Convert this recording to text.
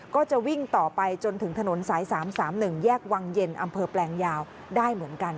ก็จะวิ่งต่อไปจนถึงถนนสาย๓๓๑แยกวังเย็นอำเภอแปลงยาวได้เหมือนกัน